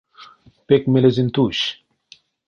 Пек мелезэнь тусь.